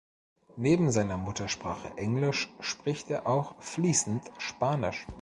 Neben seiner Muttersprache Englisch spricht er auch fließend Spanisch.